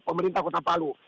pemerintah kota palu